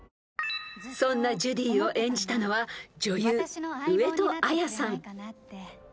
［そんなジュディを演じたのは女優上戸彩さん］